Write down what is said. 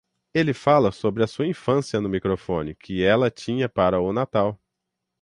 Ele fala sobre sua infância no microfone que ela tinha para o Natal.